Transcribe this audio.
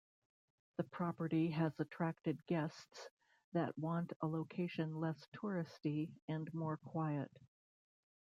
The property has attracted guests that want a location less touristy and more quiet.